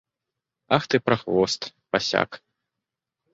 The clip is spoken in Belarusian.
Ах ты, прахвост, басяк.